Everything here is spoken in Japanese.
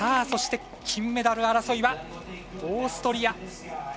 そして、金メダル争いはオーストリア。